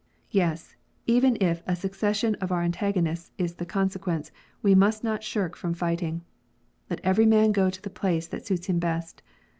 Yes ! even if a secession of our antagonists is the consequence, we must not shrink from fighting. Let every man go to the place that suits him best.